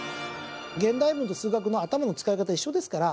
現代文と数学の頭の使い方一緒ですから。